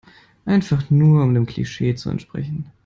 Einfach nur um dem Klischee zu entsprechen.